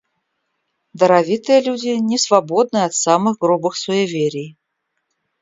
Даровитые люди не свободны от самых грубых суеверий.